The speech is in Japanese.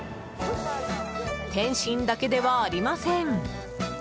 点心だけではありません。